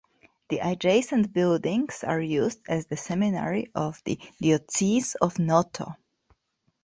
The adjacent buildings are used as the seminary of the Diocese of Noto.